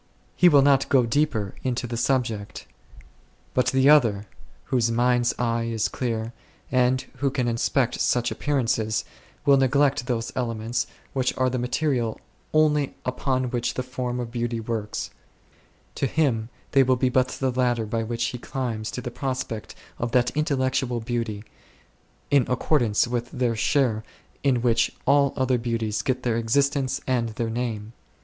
He will not go deeper into the subject. But the other, whose mind's eye is clear, and who can inspect such appearances, will neglect those elements which are the material only upon which the Form of Beauty works ; to him they will be but the ladder by which he climbs to the prospect of that Intel lectual Beauty, in accordance with their share in which all other beauties get their existence and their name.